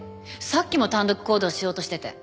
さっきも単独行動しようとしてて。